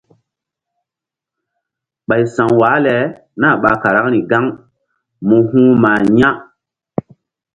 Ɓay sa̧w wah le nah ɓa karaŋri gaŋ mú huh mah ya̧.